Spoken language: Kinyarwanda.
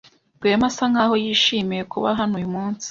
Rwema asa nkaho yishimiye kuba hano uyu munsi.